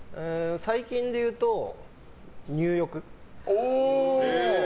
最近でいうと入浴。